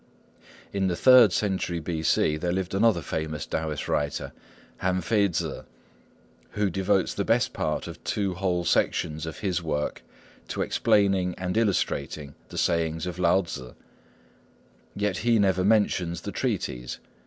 In the third century B.C. there lived another famous Taoist writer, Han Fei Tzŭ, who devotes the best part of two whole sections of his work to explaining and illustrating the sayings of Lao Tzŭ. Yet he never mentions the treatise.